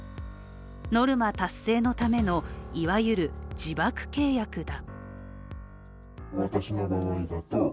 ノルマ達成のための、いわゆる自爆契約だ。